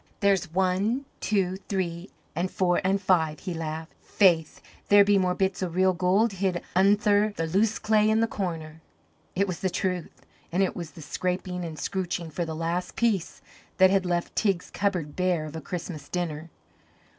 "There's one, two, three, an' four an' five," he laughed. "Faith, there be more bits o' real gold hid undther the loose clay in the corner." It was the truth; and it was the scraping and scrooching for the last piece that had left Teig's cupboard bare of a Christmas dinner.